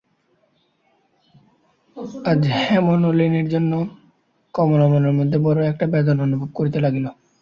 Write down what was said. আজ হেমনলিনীর জন্য কমলা মনের মধ্যে বড়োই একটা বেদনা অনুভব করিতে লাগিল।